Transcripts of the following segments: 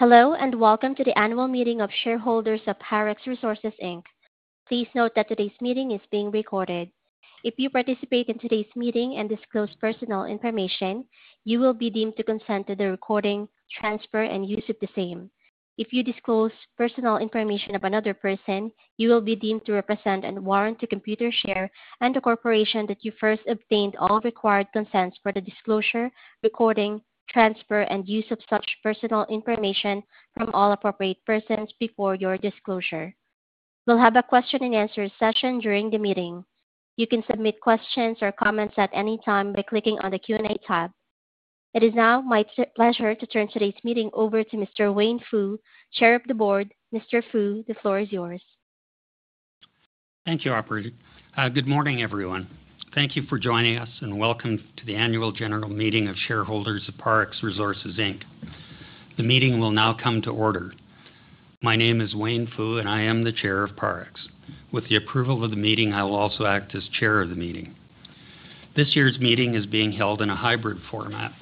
Hello and welcome to the annual meeting of shareholders of Parex Resources Inc. Please note that today's meeting is being recorded. If you participate in today's meeting and disclose personal information, you will be deemed to consent to the recording, transfer, and use of the same. If you disclose personal information of another person, you will be deemed to represent and warrant to Computershare and the corporation that you first obtained all required consents for the disclosure, recording, transfer, and use of such personal information from all appropriate persons before your disclosure. We'll have a question and answer session during the meeting. You can submit questions or comments at any time by clicking on the Q&A tab. It is now my pleasure to turn today's meeting over to Mr. Wayne Foo, Chair of the Board. Mr. Foo, the floor is yours. Thank you, Operator. Good morning, everyone. Thank you for joining us and welcome to the annual general meeting of shareholders of Parex Resources Inc. The meeting will now come to order. My name is Wayne Foo and I am the Chair of Parex. With the approval of the meeting, I will also act as Chair of the meeting. This year's meeting is being held in a hybrid format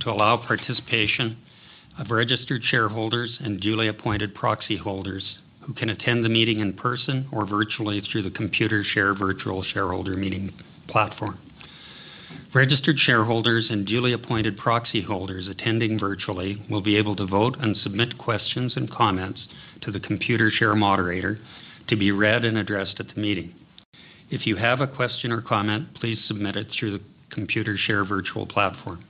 to allow participation of registered shareholders and duly appointed proxy holders who can attend the meeting in person or virtually through the Computershare virtual shareholder meeting platform. Registered shareholders and duly appointed proxy holders attending virtually will be able to vote and submit questions and comments to the Computershare moderator to be read and addressed at the meeting. If you have a question or comment, please submit it through the Computershare virtual platform.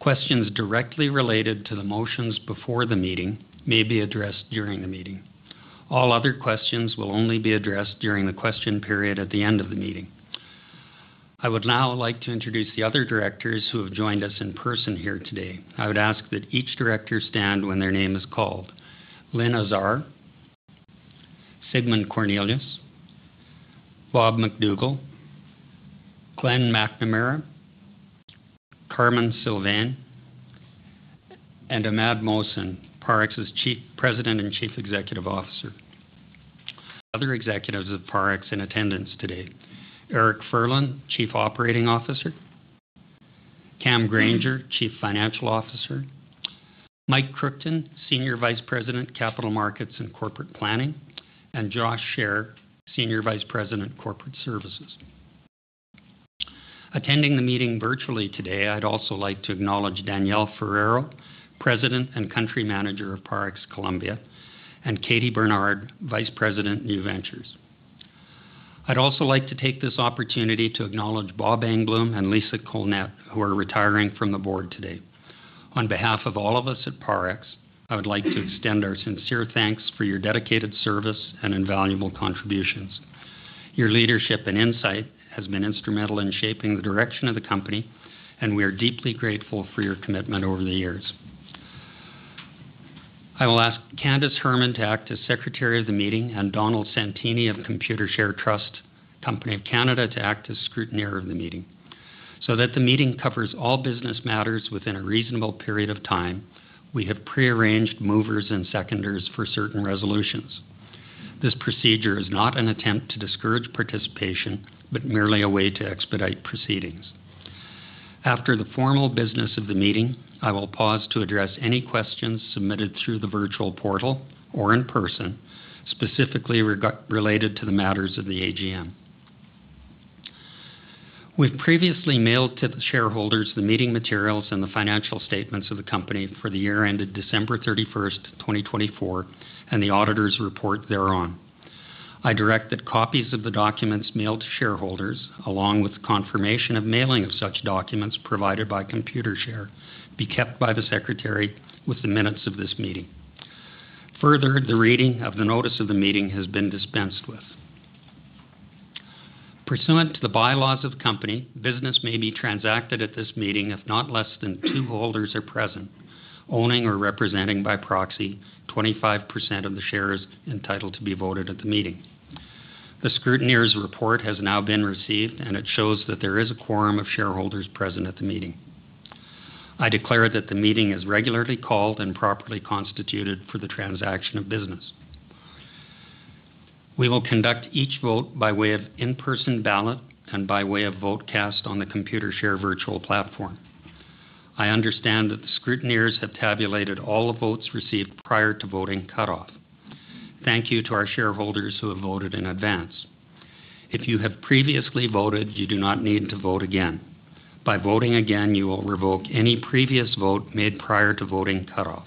Questions directly related to the motions before the meeting may be addressed during the meeting. All other questions will only be addressed during the question period at the end of the meeting. I would now like to introduce the other directors who have joined us in person here today. I would ask that each director stand when their name is called: Lynn Azar, Sigmund Cornelius, Bob McDougall, Glenn McNamara, Carmen Sylvain, and Imad Mohsen, Parex's President and Chief Executive Officer. Other executives of Parex in attendance today: Eric Furlan, Chief Operating Officer; Cam Grainger, Chief Financial Officer; Mike Kruchten, Senior Vice President, Capital Markets and Corporate Planning; and Josh Share, Senior Vice President, Corporate Services. Attending the meeting virtually today, I'd also like to acknowledge Danielle Ferreiro, President and Country Manager of Parex Colombia, and Katie Bernard, Vice President, New Ventures. I'd also like to take this opportunity to acknowledge Bob Engbloom and Lisa Colnett, who are retiring from the board today. On behalf of all of us at Parex, I would like to extend our sincere thanks for your dedicated service and invaluable contributions. Your leadership and insight have been instrumental in shaping the direction of the company, and we are deeply grateful for your commitment over the years. I will ask Candace Herman to act as Secretary of the meeting and Donald Santini of the Computershare Trust Company of Canada to act as Scrutineer of the meeting. So that the meeting covers all business matters within a reasonable period of time, we have prearranged movers and seconders for certain resolutions. This procedure is not an attempt to discourage participation, but merely a way to expedite proceedings. After the formal business of the meeting, I will pause to address any questions submitted through the virtual portal or in person, specifically related to the matters of the AGM. We've previously mailed to the shareholders the meeting materials and the financial statements of the company for the year ended December 31st, 2024, and the auditor's report thereon. I direct that copies of the documents mailed to shareholders, along with confirmation of mailing of such documents provided by Computershare, be kept by the Secretary within minutes of this meeting. Further, the reading of the notice of the meeting has been dispensed with. Pursuant to the bylaws of the company, business may be transacted at this meeting if not less than two holders are present, owning or representing by proxy 25% of the shares entitled to be voted at the meeting. The Scrutineer's report has now been received, and it shows that there is a quorum of shareholders present at the meeting. I declare that the meeting is regularly called and properly constituted for the transaction of business. We will conduct each vote by way of in-person ballot and by way of vote cast on the Computershare virtual platform. I understand that the Scrutineers have tabulated all the votes received prior to voting cut off. Thank you to our shareholders who have voted in advance. If you have previously voted, you do not need to vote again. By voting again, you will revoke any previous vote made prior to voting cut off.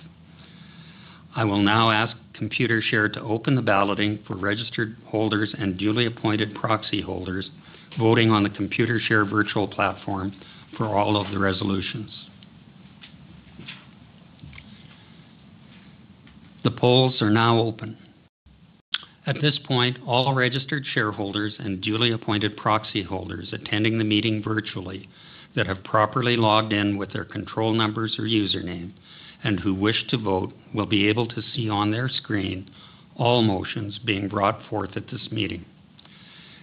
I will now ask Computershare to open the balloting for registered holders and duly appointed proxy holders voting on the Computershare virtual platform for all of the resolutions. The polls are now open. At this point, all registered shareholders and duly appointed proxy holders attending the meeting virtually that have properly logged in with their control numbers or username and who wish to vote will be able to see on their screen all motions being brought forth at this meeting.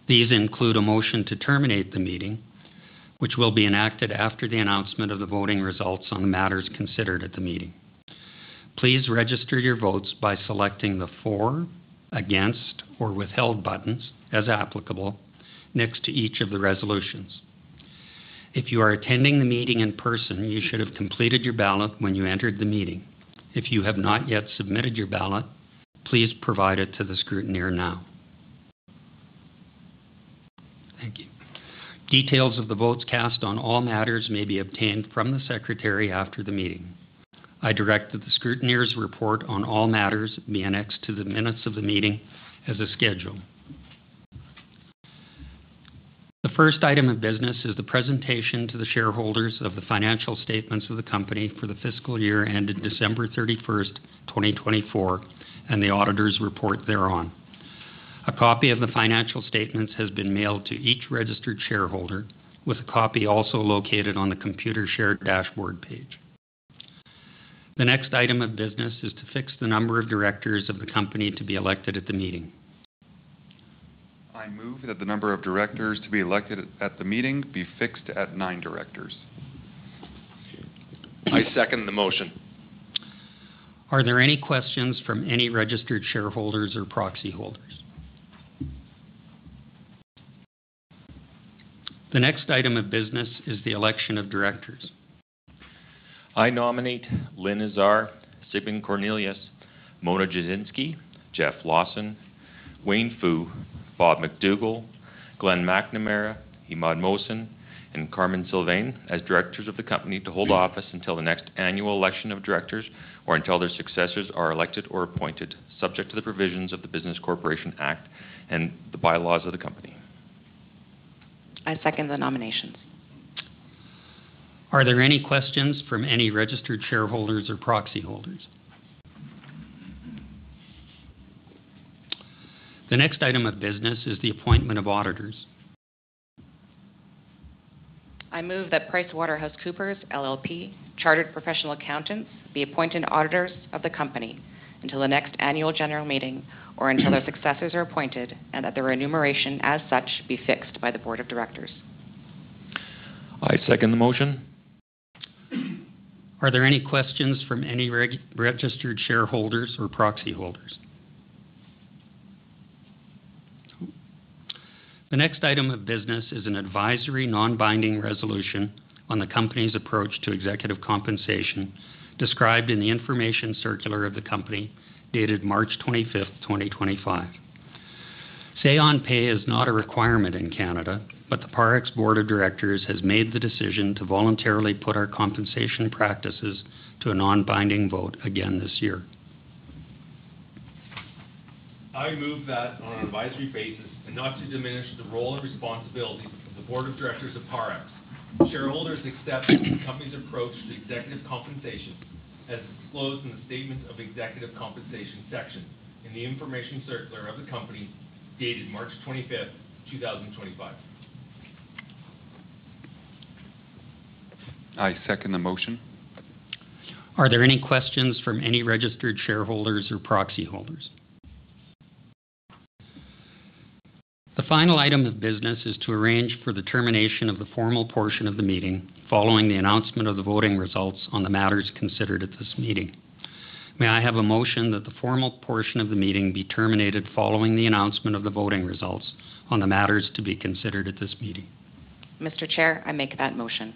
These include a motion to terminate the meeting, which will be enacted after the announcement of the voting results on the matters considered at the meeting. Please register your votes by selecting the for, against, or withheld buttons, as applicable, next to each of the resolutions. If you are attending the meeting in person, you should have completed your ballot when you entered the meeting. If you have not yet submitted your ballot, please provide it to the Scrutineer now. Thank you. Details of the votes cast on all matters may be obtained from the Secretary after the meeting. I direct that the Scrutineer's report on all matters be annexed to the minutes of the meeting as a schedule. The first item of business is the presentation to the shareholders of the financial statements of the company for the fiscal year ended December 31st, 2024, and the auditor's report thereon. A copy of the financial statements has been mailed to each registered shareholder, with a copy also located on the Computershare dashboard page. The next item of business is to fix the number of directors of the company to be elected at the meeting. I move that the number of directors to be elected at the meeting be fixed at nine directors. I second the motion. Are there any questions from any registered shareholders or proxy holders? The next item of business is the election of directors. I nominate Lynn Azar, Sigmund Cornelius, Mona Jasinski, Jeff Lawson, Wayne Foo, Bob McDougal, Glenn McNamara, Imad Mohsen, and Carmen Sylvain as directors of the company to hold office until the next annual election of directors or until their successors are elected or appointed, subject to the provisions of the Business Corporations Act and the bylaws of the company. I second the nominations. Are there any questions from any registered shareholders or proxy holders? The next item of business is the appointment of auditors. I move that PricewaterhouseCoopers LLP, Chartered Professional Accountants, be appointed auditors of the company until the next annual general meeting or until their successors are appointed and that the remuneration as such be fixed by the board of directors. I second the motion. Are there any questions from any registered shareholders or proxy holders? The next item of business is an advisory non-binding resolution on the company's approach to executive compensation described in the information circular of the company dated March 25th, 2025. Say-on-pay is not a requirement in Canada, but the Parex board of directors has made the decision to voluntarily put our compensation practices to a non-binding vote again this year. I move that on an advisory basis and not to diminish the role and responsibilities of the board of directors of Parex. Shareholders accept the company's approach to executive compensation as disclosed in the statement of executive compensation section in the information circular of the company dated March 25th, 2025. I second the motion. Are there any questions from any registered shareholders or proxy holders? The final item of business is to arrange for the termination of the formal portion of the meeting following the announcement of the voting results on the matters considered at this meeting. May I have a motion that the formal portion of the meeting be terminated following the announcement of the voting results on the matters to be considered at this meeting? Mr. Chair, I make that motion.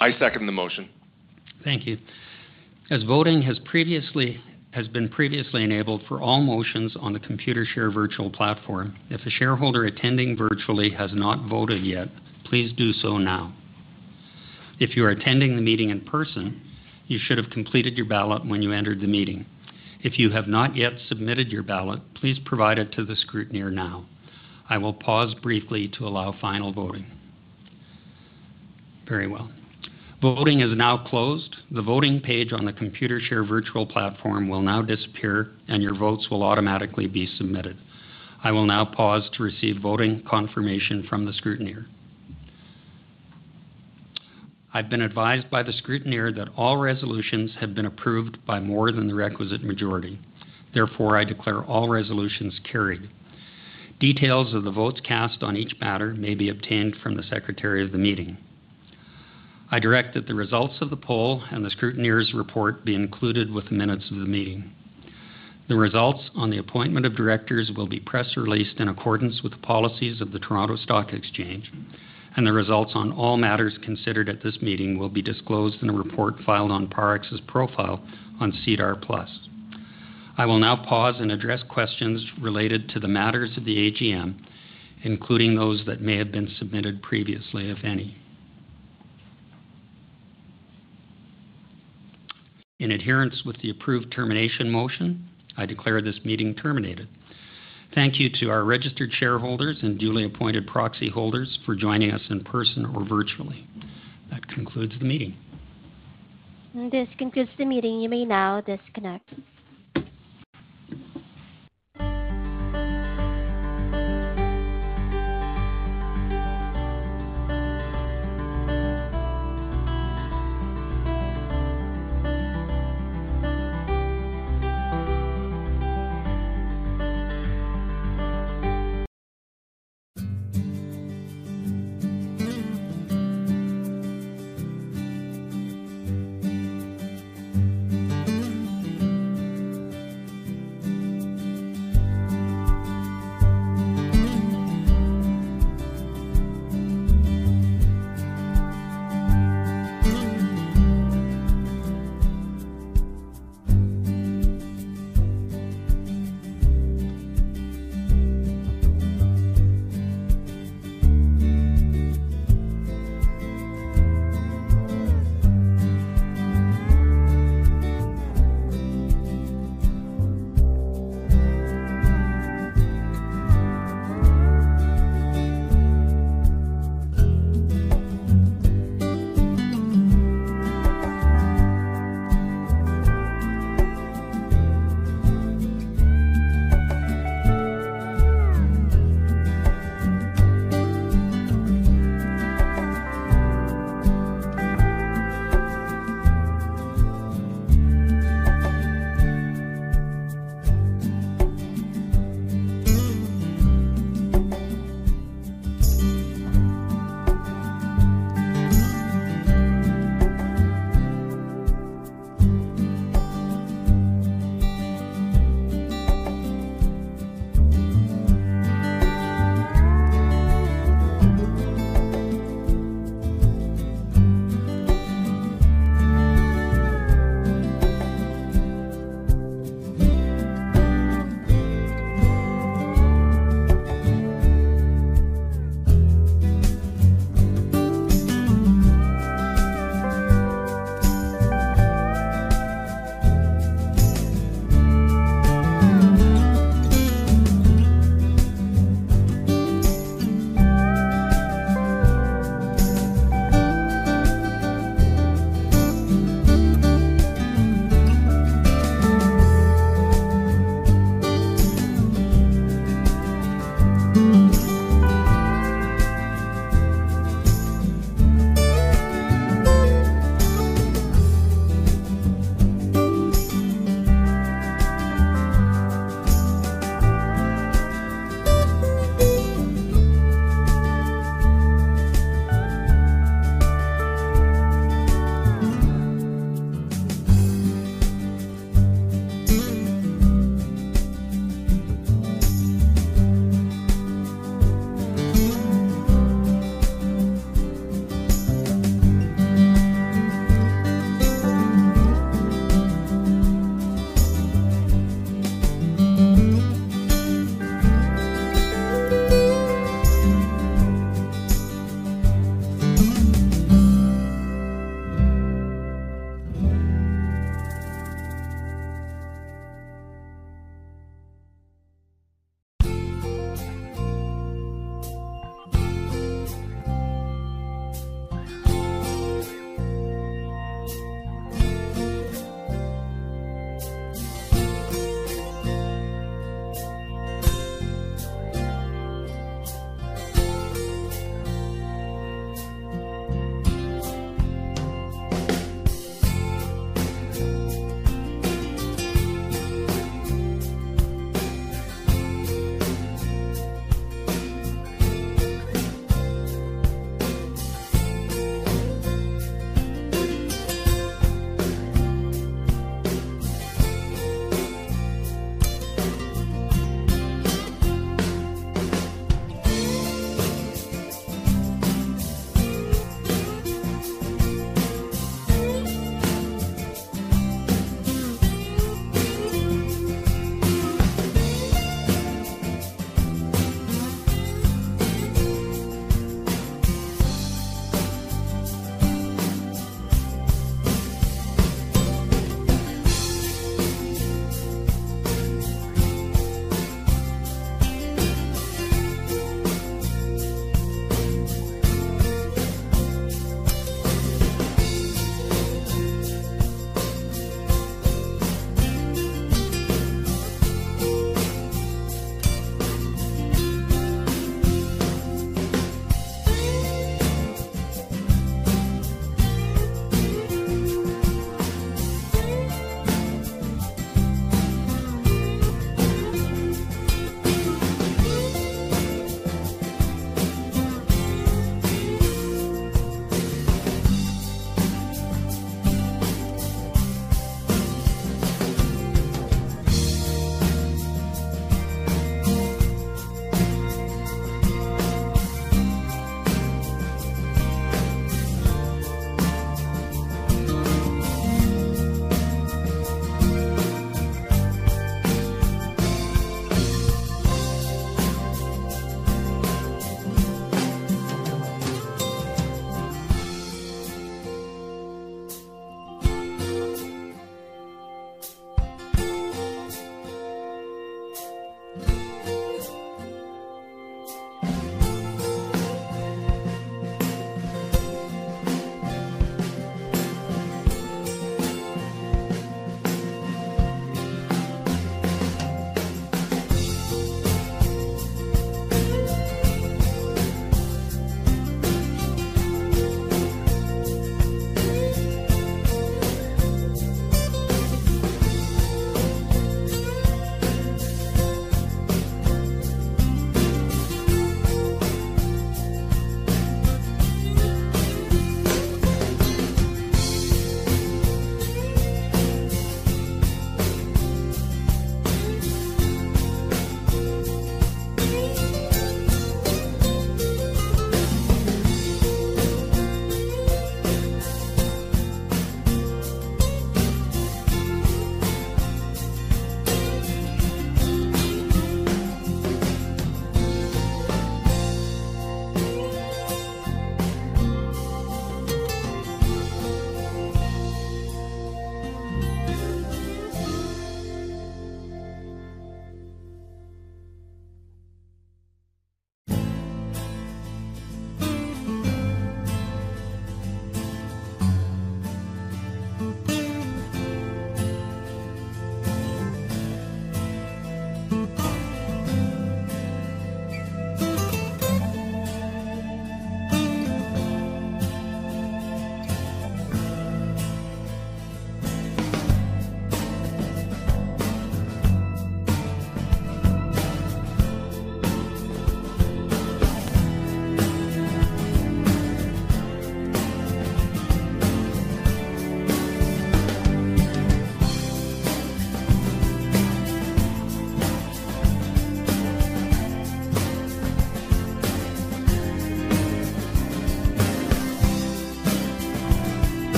I second the motion. Thank you. As voting has been previously enabled for all motions on the Computershare virtual platform, if a shareholder attending virtually has not voted yet, please do so now. If you are attending the meeting in person, you should have completed your ballot when you entered the meeting. If you have not yet submitted your ballot, please provide it to the Scrutineer now. I will pause briefly to allow final voting. Very well. Voting is now closed. The voting page on the Computershare virtual platform will now disappear, and your votes will automatically be submitted. I will now pause to receive voting confirmation from the Scrutineer. I've been advised by the Scrutineer that all resolutions have been approved by more than the requisite majority. Therefore, I declare all resolutions carried. Details of the votes cast on each matter may be obtained from the Secretary of the meeting. I direct that the results of the poll and the Scrutineer's report be included with the minutes of the meeting. The results on the appointment of directors will be press released in accordance with the policies of the Toronto Stock Exchange, and the results on all matters considered at this meeting will be disclosed in a report filed on Parex's profile on SEDAR Plus. I will now pause and address questions related to the matters of the AGM, including those that may have been submitted previously, if any. In adherence with the approved termination motion, I declare this meeting terminated. Thank you to our registered shareholders and duly appointed proxy holders for joining us in person or virtually. That concludes the meeting. This concludes the meeting. You may now disconnect.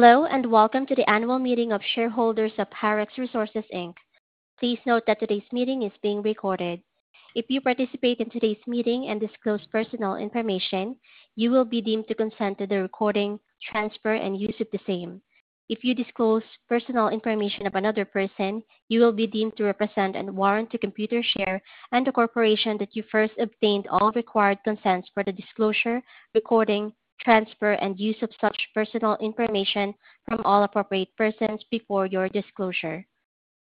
Hello and welcome to the annual meeting of shareholders of Parex Resources Inc. Please note that today's meeting is being recorded. If you participate in today's meeting and disclose personal information, you will be deemed to consent to the recording, transfer, and use of the same. If you disclose personal information of another person, you will be deemed to represent and warrant to Computershare and the corporation that you first obtained all required consents for the disclosure, recording, transfer, and use of such personal information from all appropriate persons before your disclosure.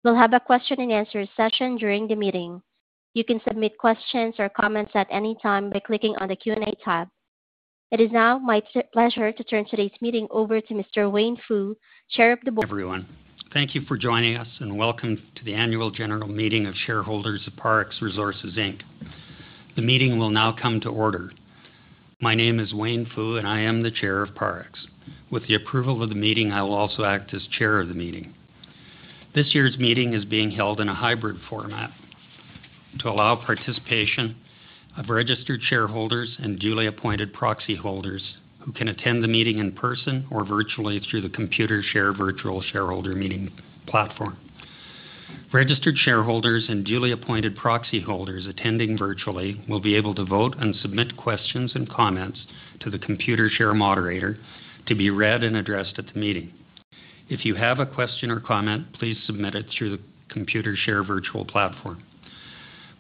We'll have a question and answer session during the meeting. You can submit questions or comments at any time by clicking on the Q&A tab. It is now my pleasure to turn today's meeting over to Mr. Wayne Foo, Chair of the Board. Everyone. Thank you for joining us and welcome to the annual general meeting of shareholders of Parex Resources. The meeting will now come to order. My name is Wayne Foo and I am the Chair of Parex. With the approval of the meeting, I will also act as Chair of the meeting. This year's meeting is being held in a hybrid format to allow participation of registered shareholders and duly appointed proxy holders who can attend the meeting in person or virtually through the Computershare virtual shareholder meeting platform. Registered shareholders and duly appointed proxy holders attending virtually will be able to vote and submit questions and comments to the Computershare moderator to be read and addressed at the meeting. If you have a question or comment, please submit it through the Computershare virtual platform.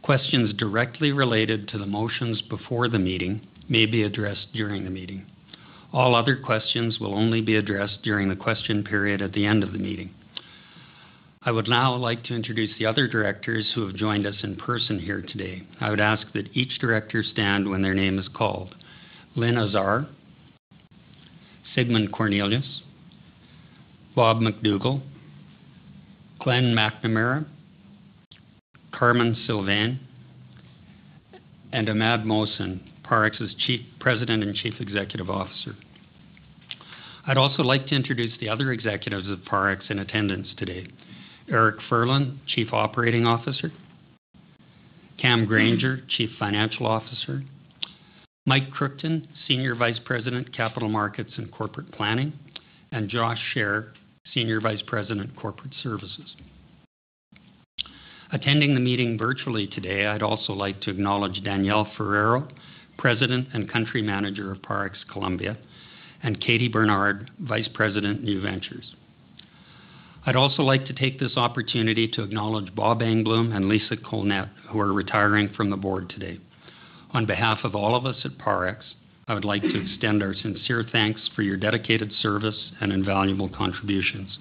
Questions directly related to the motions before the meeting may be addressed during the meeting. All other questions will only be addressed during the question period at the end of the meeting. I would now like to introduce the other directors who have joined us in person here today. I would ask that each director stand when their name is called: Lynn Azar, Sigmund Cornelius, Bob McDougal, Glenn McNamara, Carmen Sylvain, and Imad Mohsen, Parex's President and Chief Executive Officer. I'd also like to introduce the other executives of Parex in attendance today: Eric Furlan, Chief Operating Officer; Cam Grainger, Chief Financial Officer; Mike Kruchten, Senior Vice President, Capital Markets and Corporate Planning; and Josh Share, Senior Vice President, Corporate Services. Attending the meeting virtually today, I'd also like to acknowledge Danielle Ferreiro, President and Country Manager of Parex Colombia, and Katie Bernard, Vice President, New Ventures. I'd also like to take this opportunity to acknowledge Bob Engbloom and Lisa Colnett, who are retiring from the board today. On behalf of all of us at Parex, I would like to extend our sincere thanks for your dedicated service and invaluable contributions.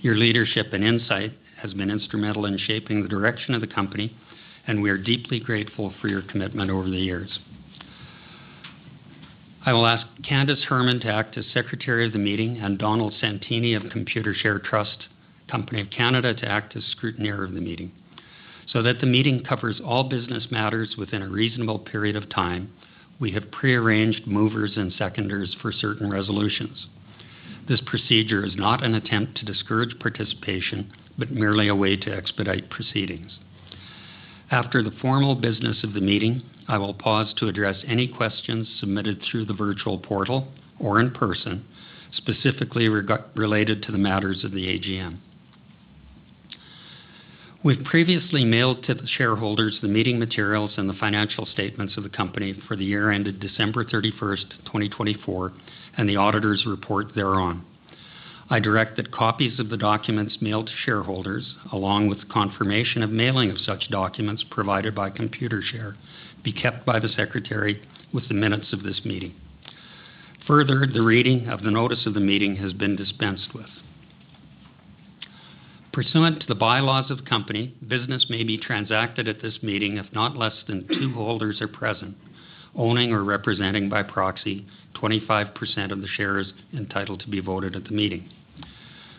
Your leadership and insight have been instrumental in shaping the direction of the company, and we are deeply grateful for your commitment over the years. I will ask Candace Herman to act as Secretary of the meeting and Donald Santini of the Computershare Trust Company of Canada to act as Scrutineer of the meeting. So that the meeting covers all business matters within a reasonable period of time, we have prearranged movers and seconders for certain resolutions. This procedure is not an attempt to discourage participation, but merely a way to expedite proceedings. After the formal business of the meeting, I will pause to address any questions submitted through the virtual portal or in person, specifically related to the matters of the AGM. We've previously mailed to the shareholders the meeting materials and the financial statements of the company for the year ended December 31st, 2024, and the auditor's report thereon. I direct that copies of the documents mailed to shareholders, along with confirmation of mailing of such documents provided by Computershare, be kept by the Secretary with the minutes of this meeting. Further, the reading of the notice of the meeting has been dispensed with. Pursuant to the bylaws of the company, business may be transacted at this meeting if not less than two holders are present, owning or representing by proxy 25% of the shares entitled to be voted at the meeting.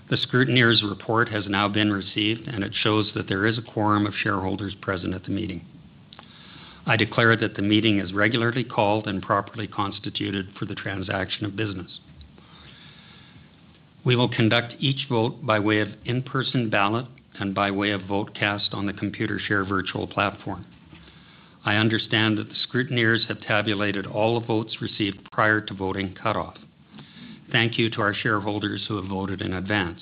The Scrutineer's report has now been received, and it shows that there is a quorum of shareholders present at the meeting. I declare that the meeting is regularly called and properly constituted for the transaction of business. We will conduct each vote by way of in-person ballot and by way of vote cast on the Computershare virtual platform. I understand that the Scrutineers have tabulated all the votes received prior to voting cutoff. Thank you to our shareholders who have voted in advance.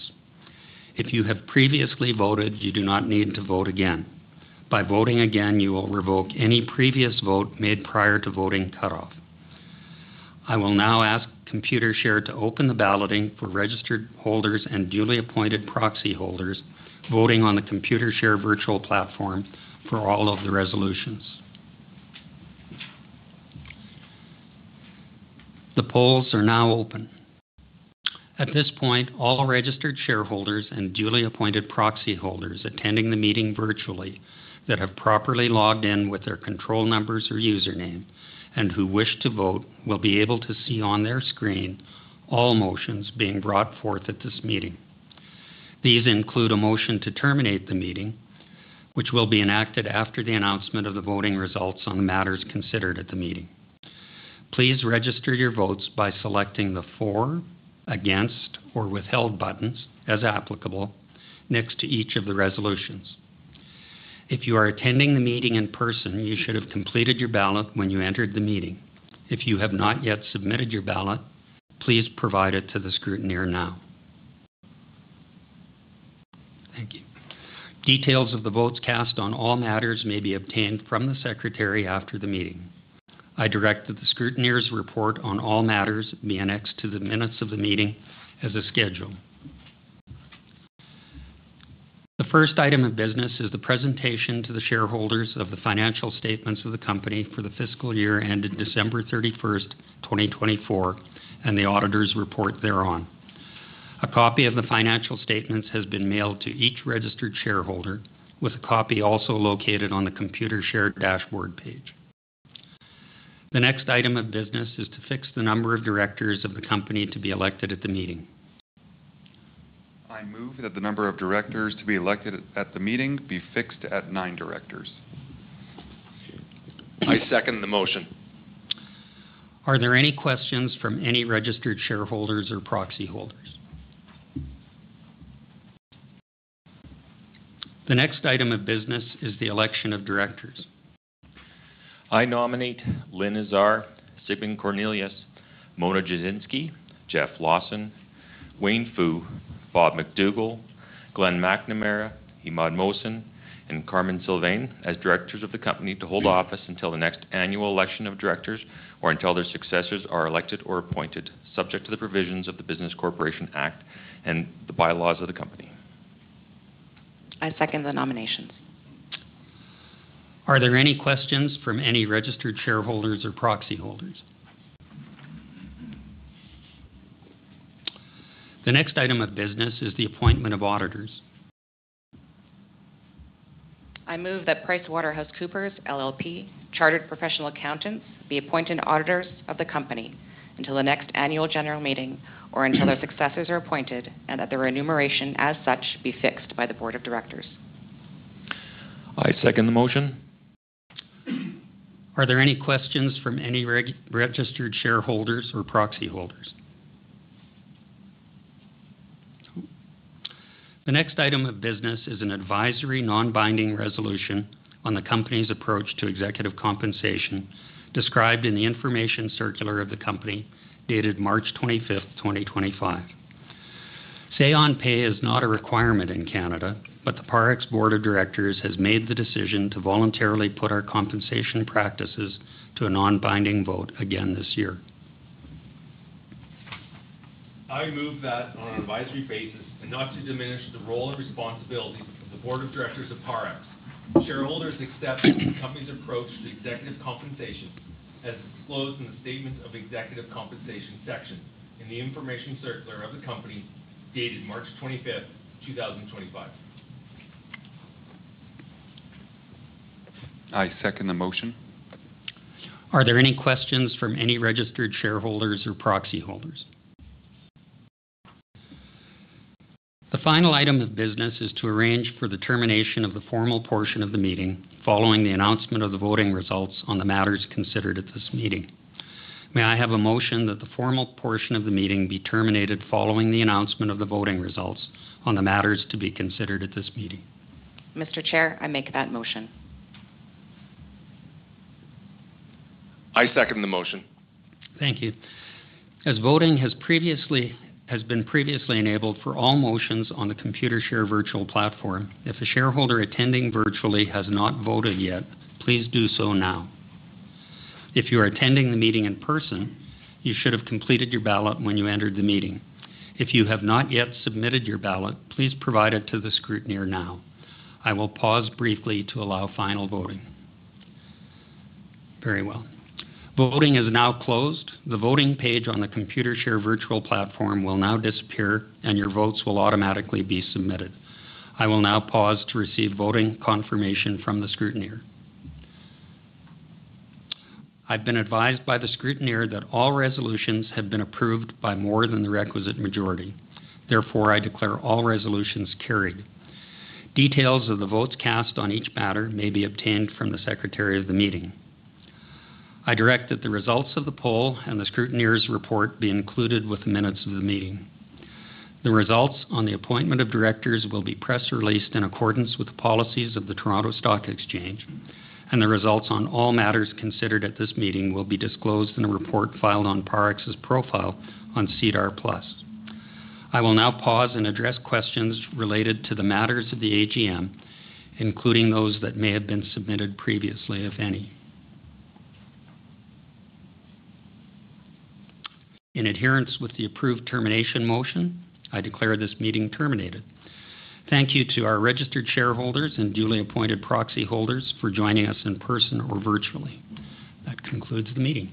If you have previously voted, you do not need to vote again. By voting again, you will revoke any previous vote made prior to voting cutoff. I will now ask Computershare to open the balloting for registered holders and duly appointed proxy holders voting on the Computershare virtual platform for all of the resolutions. The polls are now open. At this point, all registered shareholders and duly appointed proxy holders attending the meeting virtually that have properly logged in with their control numbers or username and who wish to vote will be able to see on their screen all motions being brought forth at this meeting. These include a motion to terminate the meeting, which will be enacted after the announcement of the voting results on the matters considered at the meeting. Please register your votes by selecting the for, against, or withheld buttons as applicable next to each of the resolutions. If you are attending the meeting in person, you should have completed your ballot when you entered the meeting. If you have not yet submitted your ballot, please provide it to the Scrutineer now. Thank you. Details of the votes cast on all matters may be obtained from the Secretary after the meeting. I direct that the Scrutineer's report on all matters be annexed to the minutes of the meeting as a schedule. The first item of business is the presentation to the shareholders of the financial statements of the company for the fiscal year ended December 31st, 2024, and the auditor's report thereon. A copy of the financial statements has been mailed to each registered shareholder with a copy also located on the Computershare dashboard page. The next item of business is to fix the number of directors of the company to be elected at the meeting. I move that the number of directors to be elected at the meeting be fixed at nine directors. I second the motion. Are there any questions from any registered shareholders or proxy holders? The next item of business is the election of directors. I nominate Lynn Azar, Sigmund Cornelius, Mona Jasinski, Jeff Lawson, Wayne Foo, Bob McDougall, Glenn McNamara, Imad Mohsen, and Carmen Sylvain as directors of the company to hold office until the next annual election of directors or until their successors are elected or appointed, subject to the provisions of the Business Corporations Act and the bylaws of the company. I second the nominations. Are there any questions from any registered shareholders or proxy holders? The next item of business is the appointment of auditors. I move that PricewaterhouseCoopers LLP, Chartered Professional Accountants, be appointed auditors of the company until the next annual general meeting or until their successors are appointed and that the remuneration as such be fixed by the board of directors. I second the motion. Are there any questions from any registered shareholders or proxy holders? The next item of business is an advisory non-binding resolution on the company's approach to executive compensation described in the information circular of the company dated March 25th, 2025. Say-on-pay is not a requirement in Canada, but the Parex Board of Directors has made the decision to voluntarily put our compensation practices to a non-binding vote again this year. I move that on an advisory basis and not to diminish the role and responsibilities of the Board of Directors of Parex. Shareholders accept the company's approach to executive compensation as disclosed in the statement of executive compensation section in the information circular of the company dated March 25th, 2025. I second the motion. Are there any questions from any registered shareholders or proxy holders? The final item of business is to arrange for the termination of the formal portion of the meeting following the announcement of the voting results on the matters considered at this meeting. May I have a motion that the formal portion of the meeting be terminated following the announcement of the voting results on the matters to be considered at this meeting? Mr. Chair, I make that motion. I second the motion. Thank you. As voting has been previously enabled for all motions on the Computershare virtual platform, if a shareholder attending virtually has not voted yet, please do so now. If you are attending the meeting in person, you should have completed your ballot when you entered the meeting. If you have not yet submitted your ballot, please provide it to the Scrutineer now. I will pause briefly to allow final voting. Very well. Voting is now closed. The voting page on the Computershare virtual platform will now disappear and your votes will automatically be submitted. I will now pause to receive voting confirmation from the Scrutineer. I've been advised by the Scrutineer that all resolutions have been approved by more than the requisite majority. Therefore, I declare all resolutions carried. Details of the votes cast on each matter may be obtained from the Secretary of the meeting. I direct that the results of the poll and the Scrutineer's report be included with the minutes of the meeting. The results on the appointment of directors will be press released in accordance with the policies of the Toronto Stock Exchange, and the results on all matters considered at this meeting will be disclosed in a report filed on Parex's profile on SEDAR Plus. I will now pause and address questions related to the matters of the AGM, including those that may have been submitted previously, if any. In adherence with the approved termination motion, I declare this meeting terminated. Thank you to our registered shareholders and duly appointed proxy holders for joining us in person or virtually. That concludes the meeting.